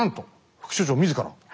副所長自ら調査。